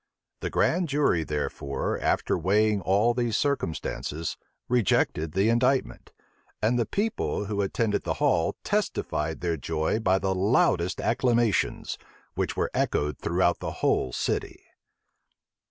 The grand jury, therefore, after weighing all these circumstances, rejected the indictment; and the people who attended the hall testified their joy by the loudest acclamations, which were echoed throughout the whole city.